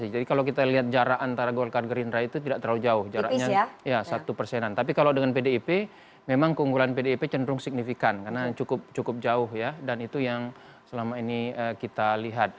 jadi kalau melihat simulasi tiga nama ini